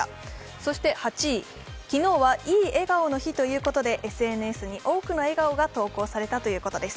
そして８位、昨日はいいえがおの日ということでＳＮＳに多くの笑顔が投稿されたということです。